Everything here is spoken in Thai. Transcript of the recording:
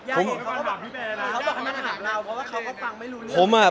เพราะว่าเขาก็ฟังไม่รู้เรื่อง